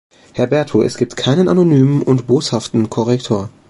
Herr Berthu, es gibt keinen anonymen und boshaften Korrektor.